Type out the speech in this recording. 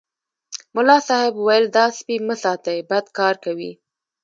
ملا صاحب ویل دا سپي مه ساتئ بد کار کوي.